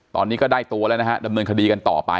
ตอนนี้ก็ได้ตัวแล้วนะฮะดำเนินคดีกันต่อไป